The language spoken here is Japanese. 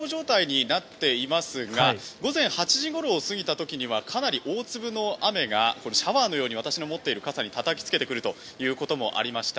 現在、雨の状況は小康状態になっていますが午前８時ごろを過ぎた時にはかなり大粒の雨がシャワーのように私の持っている傘にたたきつけてくるということもありました。